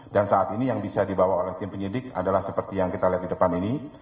dan saat ini yang bisa dibawa oleh tim penyidik adalah seperti yang kita lihat di depan ini